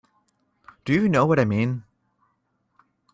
Do you know what I mean?